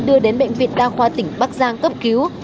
đưa đến bệnh viện đa khoa tỉnh bắc giang cấp cứu